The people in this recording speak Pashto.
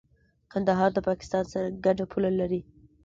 کندهار د پاکستان سره ګډه پوله لري.